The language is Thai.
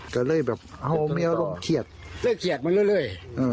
ก็เลยให้รุมเห็นมาเลย